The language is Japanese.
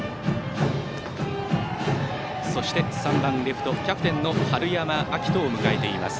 そして３番レフトのキャプテンの春山陽登を迎えています。